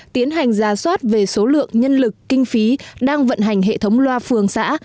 tiến hành ra soát về số lượng nhân lực kinh phí đang vận hành hệ thống loa phường xã